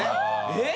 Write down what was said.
えっ？